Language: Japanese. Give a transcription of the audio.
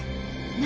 何？